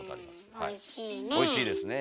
おいしいですねえ。